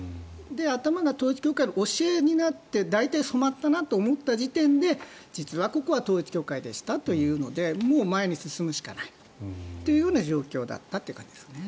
頭が統一教会の教えになって大体染まったなと思った時点で実は、ここは統一教会でしたというのでもう前に進むしかないという状況だったという感じですね。